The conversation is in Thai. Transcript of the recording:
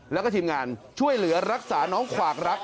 แล้วก็ทีมงานช่วยเหลือรักษาน้องขวากรัก